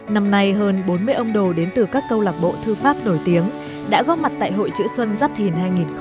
năm nay hơn bốn mươi ông đồ đến từ các câu lạc bộ thư pháp nổi tiếng đã góp mặt tại hội chữ xuân giáp thìn hai nghìn hai mươi bốn